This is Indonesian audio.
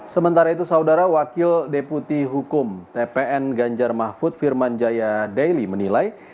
sementara itu saudara wakil deputi hukum tpn ganjar mahfud firman jaya daily menilai